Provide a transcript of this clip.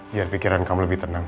biar pikiran kamu lebih tenang